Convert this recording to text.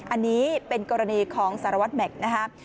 อันนี้เป็นกรณีของสารวัตรแม็กซ์นะครับ